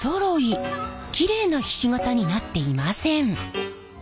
キレイなひし形になっていません。